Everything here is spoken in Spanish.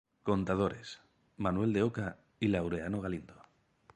Contadores: Manuel de Oca y Laureano Galindo.